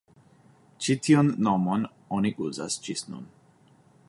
Ĉi tiun nomon oni uzas ĝis nun.